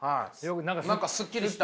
何かすっきりした。